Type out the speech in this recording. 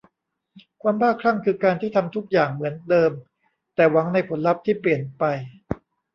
ความบ้าคลั่งคือการที่ทำทุกอย่างเหมือนเดิมแต่หวังในผลลัพธ์ที่เปลี่ยนไป